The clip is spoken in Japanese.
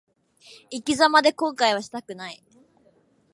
生き様で後悔はしたくない。